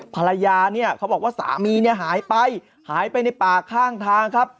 ภรรยาเนี่ยเขาบอกว่าสามีเนี่ยหายไปหายไปในป่าข้างทางครับ